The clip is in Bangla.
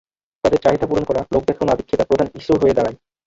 তাঁদের চাহিদা পূরণ করা, লোক দেখানো আদিখ্যেতা প্রধান ইস্যু হয়ে দাঁড়ায়।